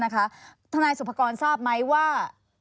ทนายสุภกรทราบไหมว่า